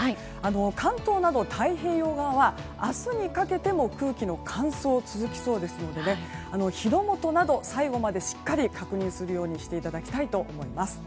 関東など、太平洋側は明日にかけても空気の乾燥が続きそうですので火の元など最後までしっかり確認するようにしていただきたいと思います。